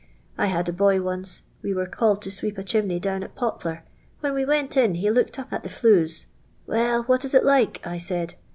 I hud a bi)y imce — we were called to sweep a chimney down at Pojdar. When we went in he looked up the flues. ' \Yeil, what is it like V I said.